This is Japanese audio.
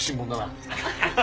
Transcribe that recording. ハハハハ！